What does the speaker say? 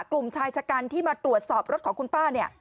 กลุ่มชายชะกันที่มาตรวจสอบรถของคุณป้าเนี่ย